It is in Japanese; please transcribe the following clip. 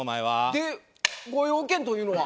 でご用件というのは？